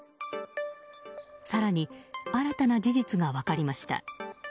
更に、新たな事実が分かりました。